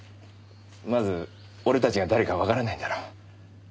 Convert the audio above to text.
まず俺たちが誰かわからないんだろ。